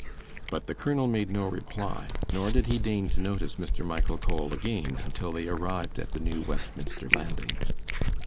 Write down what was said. But the colonel made no reply, nor did he deign to notice Mr. Michael Cole again until they had arrived at the New Westminster landing.